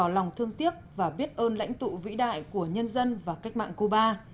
lòng thương tiếc và biết ơn lãnh tụ vĩ đại của nhân dân và cách mạng cuba